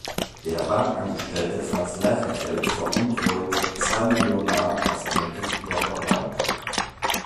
Der Bankangestellte Franz Lerchenfeld veruntreut zwei Millionen Mark aus einer Düsseldorfer Bank.